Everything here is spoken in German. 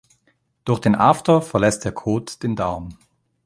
Durch den After verlässt der Kot den Darm.